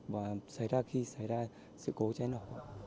và xảy ra khi xảy ra sự cố cháy nổ